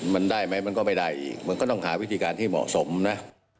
มันได้ไหมมันก็ไม่ได้อีกมันก็ต้องหาวิธีการที่เหมาะสมนะ